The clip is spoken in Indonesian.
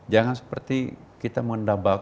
jangan seperti kita mendambakan orang lain